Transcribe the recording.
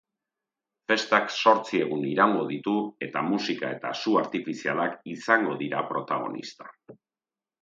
Festak zortzi egun iraungo ditu eta musika eta su artifizialak izango dira protagonista.